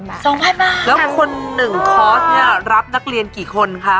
แล้วคน๑คอร์สเนี่ยรับนักเรียนกี่คนคะ